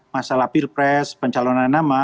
masalah pilpres pencalonan nama